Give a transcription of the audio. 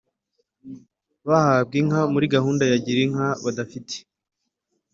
bahabwa inka muri Gahunda ya Girinka badafite